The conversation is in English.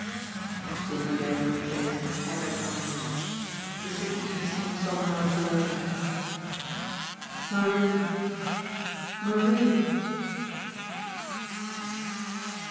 Jimmie Dale raised haggard eyes. The signature seemed somehow blurred. "Marie ...